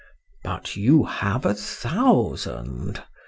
—But you have a thousand!